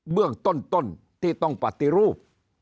เบื้องต้นที่ต้องปฏิรูป